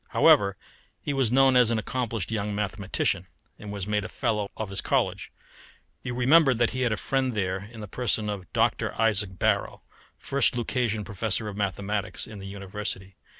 However, he was known as an accomplished young mathematician, and was made a fellow of his college. You remember that he had a friend there in the person of Dr. Isaac Barrow, first Lucasian Professor of Mathematics in the University.